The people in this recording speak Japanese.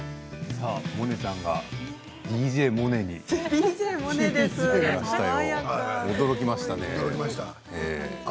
モネちゃんがＤＪモネになりましたよ